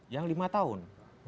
yang lima tahun